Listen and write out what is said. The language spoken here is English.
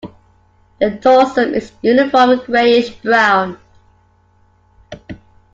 The dorsum is uniform grayish brown.